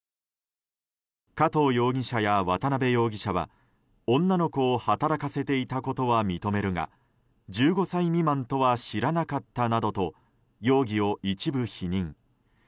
加藤容疑者や渡辺容疑者は女の子を働かせていたことは認めるが１５歳未満とは知らなかったなどと容疑を一部否認。